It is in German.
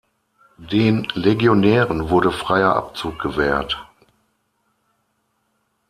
Den Legionären wurde freier Abzug gewährt.